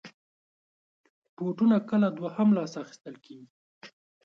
بوټونه کله دوهم لاس اخېستل کېږي.